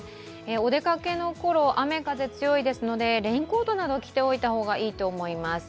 お出かけのころ、雨・風強いですのでレインコートなどを来ておいた方がいいと思います。